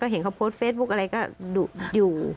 เห็นเขาโพสต์เฟซบุ๊กอะไรก็อยู่